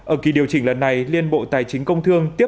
ở kỳ điều chỉnh lần này liên bộ tài chính công thương đã quyết định